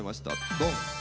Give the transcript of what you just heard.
ドン。